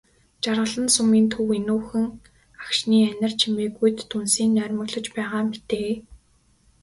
Жаргалан сумын төв энүүхэн агшны анир чимээгүйд дүнсийн нойрмоглож байгаа мэтээ.